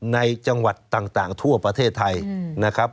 ในจังหวัดต่างทั่วประเทศไทยนะครับ